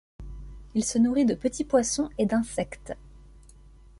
Il se nourrit de petits poissons et d'insectes.